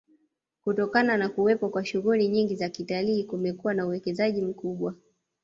Kutokana na kuwepo kwa shughuli nyingi za kitalii kumekuwa na uwekezaji mkubwa